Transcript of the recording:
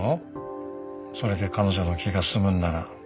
それで彼女の気が済むんなら。